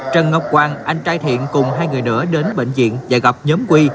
trần ngọc quang anh trai thiện cùng hai người đỡ đến bệnh viện và gặp nhóm huy